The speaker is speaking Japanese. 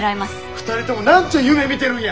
２人とも何ちゅう夢見てるんや！